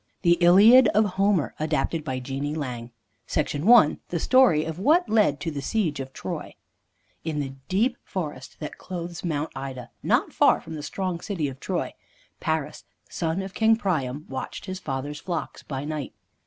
THE ILIAD OF HOMER ADAPTED BY JEANIE LANG I THE STORY OF WHAT LED TO THE SIEGE OF TROY In the deep forest that clothes Mount Ida, not far from the strong city of Troy, Paris, son of King Priam, watched his father's flocks by night.